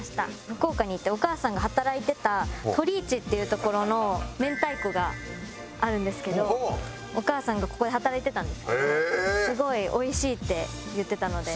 福岡に行ってお母さんが働いてたとり市っていう所の明太子があるんですけどお母さんがここで働いてたんですけど「すごいおいしい」って言ってたので。